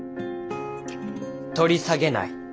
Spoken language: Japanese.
取り下げない。